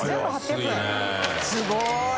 すごい。